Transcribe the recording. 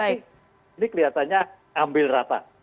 ini kelihatannya ambil rata